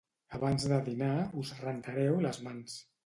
Abans de dinar us rentareu les mans.